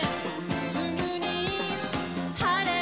「すぐに晴れて」